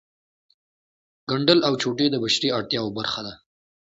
ګنډل او چوټې د بشري اړتیاوو برخه ده